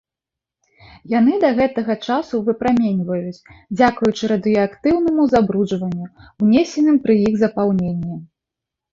Яны да гэтага часу выпраменьваюць, дзякуючы радыеактыўнаму забруджванню, унесеным пры іх запаўненні.